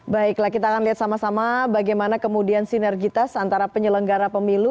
baiklah kita akan lihat sama sama bagaimana kemudian sinergitas antara penyelenggara pemilu